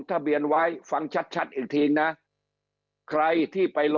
แต่ว่าใครที่ไป